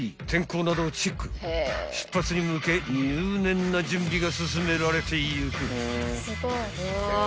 ［出発に向け入念な準備が進められていく］